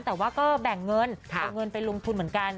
แต่ว่าก็แบ่งเงินเอาเงินไปลงทุนเหมือนกัน